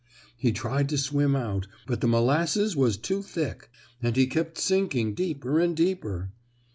He tried to swim out, but the molasses was too thick. And he kept sinking deeper and deeper.